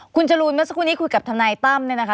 คุณจรูนเมื่อสักครู่นี้คุยกับทนายตั้มเนี่ยนะคะ